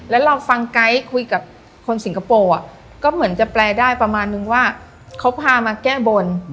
แล้วเราฟังไกด์คุยกับคนสิงคโปร์ก็เหมือนจะแปลได้ประมาณนึงว่าเขาพามาแก้บน